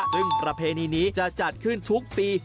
ซึ่งประเพณีนี้จะจัดขึ้นทุกปี